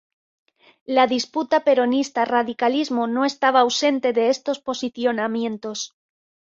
La disputa peronista radicalismo no estaba ausente de estos posicionamientos.